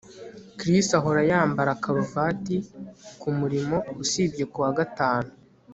Chris ahora yambara karuvati kumurimo usibye kuwa gatanu